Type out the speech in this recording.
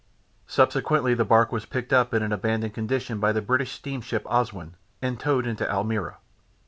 Subsequently the barque was picked up in an abandoned condition by the British steamship Oswin, and towed into Almeria.